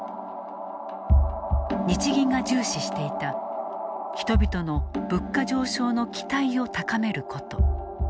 日銀が重視していた人々の物価上昇の期待を高めること。